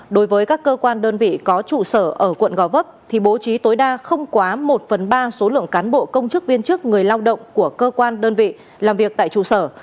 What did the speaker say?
đối với các cơ quan đơn vị có trụ sở ở quận gò vấp thì bố trí tối đa không quá một phần ba số lượng cán bộ công chức viên chức người lao động của cơ quan đơn vị làm việc tại trụ sở